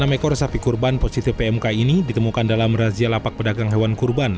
enam ekor sapi kurban positif pmk ini ditemukan dalam razia lapak pedagang hewan kurban